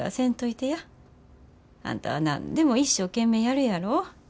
あんたは何でも一生懸命やるやろ。